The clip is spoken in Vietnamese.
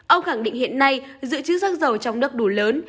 ông khẳng định hiện nay dự trữ xăng dầu trong nước đủ lớn